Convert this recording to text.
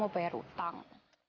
mau bayar hutang